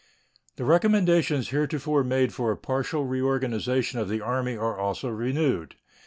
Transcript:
The recommendations heretofore made for a partial reorganization of the Army are also renewed.